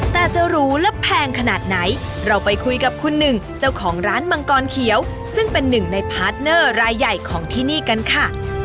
แต่จะรู้และแพงขนาดไหนเราไปคุยกับคุณหนึ่งเจ้าของร้านมังกรเขียวซึ่งเป็นหนึ่งในพาร์ทเนอร์รายใหญ่ของที่นี่กันค่ะ